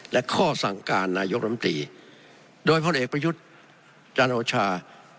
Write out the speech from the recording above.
และข้อสั่งการนายกรมตรีโดยพลเอกประยุทธ์จันโอชา